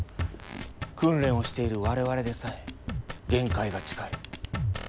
訓練をしている我々でさえ限界が近い。